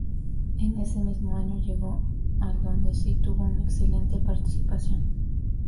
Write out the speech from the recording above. En ese mismo año llegó al donde si tuvo una excelente participación.